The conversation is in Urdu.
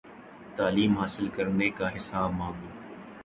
تعلیم حاصل کرنے کا حساب مانگو